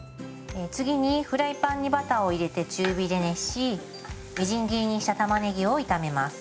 次にフライパンにバターを入れて中火で熱しみじん切りにしたたまねぎを炒めます。